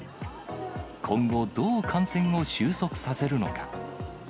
今後、どう感染を収束させるのか。